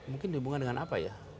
mungkin dihubungan dengan apa ya